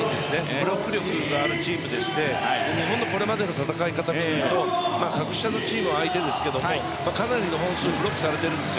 ブロック力があるチームでして日本のこれまでの戦い方で見ると格下のチームですがかなりの本数ブロックされているんです。